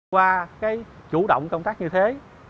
qua chủ động công tác như thế